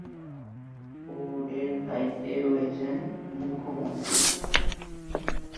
বোর্ডের দায়িত্বে রয়েছেন মুখ্যমন্ত্রী।